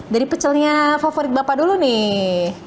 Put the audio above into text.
dari pecelnya favorit bapak dulu nih